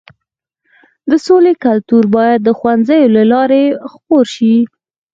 د سولې کلتور باید د ښوونځیو له لارې خپور شي.